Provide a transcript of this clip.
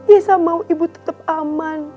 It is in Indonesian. isa mau ibu tetap aman